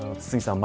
堤さん